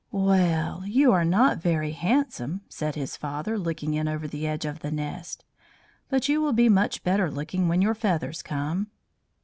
"Well, you are not very handsome," said his father, looking in over the edge of the nest, "but you will be much better looking when your feathers come."